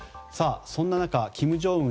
そんな中、金正恩